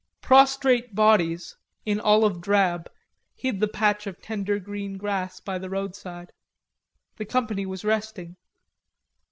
Prostrate bodies in olive drab hid the patch of tender green grass by the roadside. The company was resting.